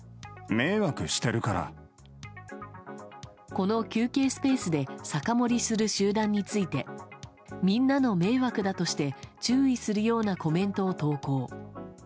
この休憩スペースで酒盛りする集団についてみんなの迷惑だとして注意するようなコメントを投稿。